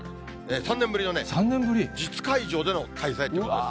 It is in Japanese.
３年ぶりの実会場での開催ということです。